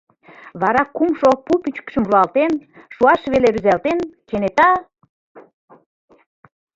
Вара кумшо пу пӱчкышым руалтен, шуаш веле рӱзалтен, кенета...